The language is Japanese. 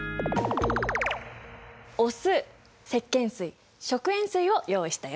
お酢石けん水食塩水を用意したよ。